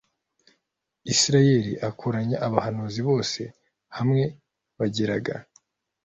Isirayeli akoranya abahanuzi bose hamwe bageraga